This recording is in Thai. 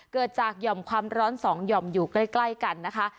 เกิดจากหย่อมความร้อนสองหย่อมอยู่ใกล้กันนะคะ